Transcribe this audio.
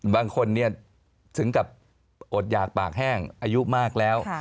บางคนถึงกับอดหยากปากแห้งอายุมากแล้ว